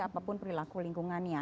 apapun perilaku lingkungannya